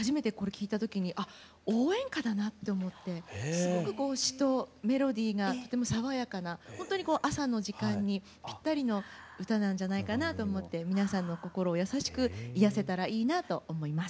すごく詞とメロディーがとても爽やかなほんとに朝の時間にピッタリの歌なんじゃないかなと思って皆さんの心を優しく癒やせたらいいなと思います。